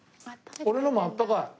俺のもあったかい。